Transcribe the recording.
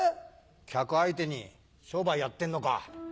客相手に商売やってんのか。